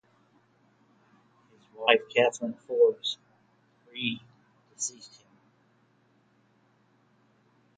His wife, Catherine Forbes, predeceased him.